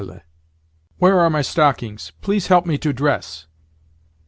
Where are my stockings? Please help me to dress."